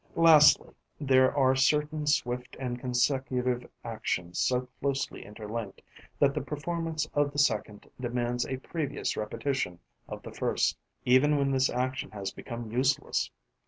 Lastly, there are certain swift and consecutive actions so closely interlinked that the performance of the second demands a previous repetition of the first, even when this action has become useless.